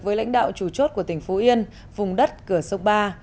với lãnh đạo chủ chốt của tỉnh phú yên vùng đất cửa sông ba